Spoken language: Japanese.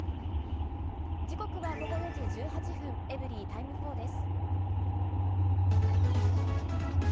時刻は午後４時１８分、エブリィタイム４です。